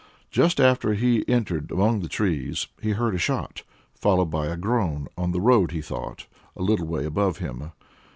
Just after he entered among the trees he heard a shot, followed by a groan on the road, he thought a little way above him.